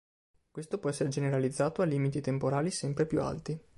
Questo può essere generalizzato a limiti temporali sempre più alti.